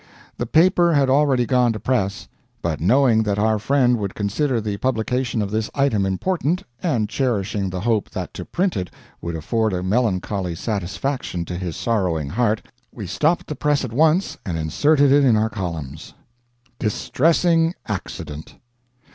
The paper had already gone to press, but knowing that our friend would consider the publication of this item important, and cherishing the hope that to print it would afford a melancholy satisfaction to his sorrowing heart, we stopped the press at once and inserted it in our columns: DISTRESSING ACCIDENT.